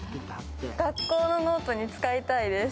学校のノートに使いたいです。